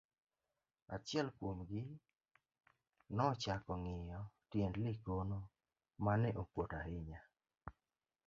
achiel kuom gi nochako ng'iyo tiend Likono ma ne okuot ahinya